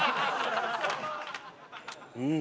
うん。